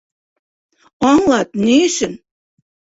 Аңлат, ни өсөн?